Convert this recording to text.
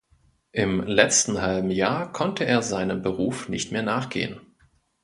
Im letzten halben Jahr konnte er seinem Beruf nicht mehr nachgehen.